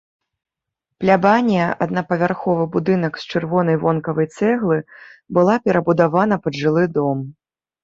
Плябанія, аднапавярховы будынак з чырвонай вонкавай цэглы, была перабудавана пад жылы дом.